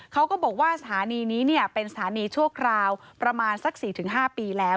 เขาก็บอกว่าสถานีนี้เป็นสถานีชั่วคราวประมาณสัก๔๕ปีแล้ว